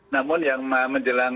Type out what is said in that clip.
namun yang menjelang